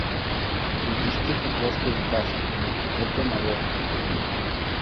И вижте какво ще ви кажа: ние ходехме на лов.